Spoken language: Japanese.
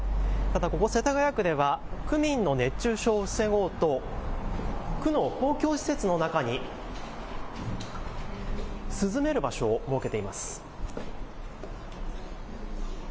ここ世田谷区では区民の熱中症を防ごうと区の公共施設の中に涼める場所を設けています。